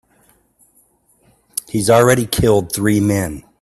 He's already killed three men.